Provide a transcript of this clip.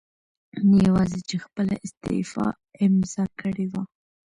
نه یواځې چې خپله استعفاء امضا کړې وه